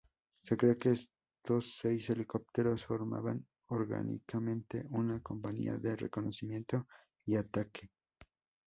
Se cree que estos seis helicópteros formaban orgánicamente una Compañía de reconocimiento y ataque.